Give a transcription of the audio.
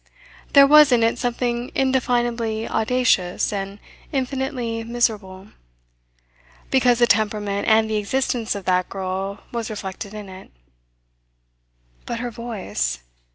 There was in it something indefinably audacious and infinitely miserable because the temperament and the existence of that girl were reflected in it. But her voice!